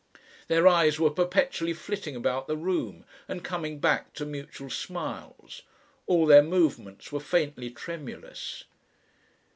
Their eyes were perpetually flitting about the room and coming back to mutual smiles. All their movements were faintly tremulous.